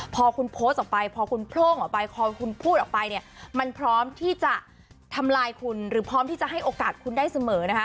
พอคุณโพสต์ออกไปพอคุณโพร่งออกไปพอคุณพูดออกไปเนี่ยมันพร้อมที่จะทำลายคุณหรือพร้อมที่จะให้โอกาสคุณได้เสมอนะคะ